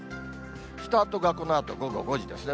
スタートがこのあと午後５時ですね。